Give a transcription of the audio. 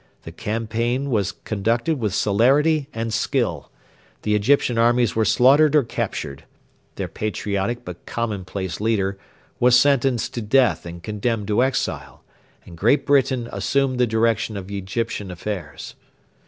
The campaign was conducted with celerity and skill. The Egyptian armies were slaughtered or captured. Their patriotic but commonplace leader was sentenced to death and condemned to exile, and Great Britain assumed the direction of Egyptian affairs.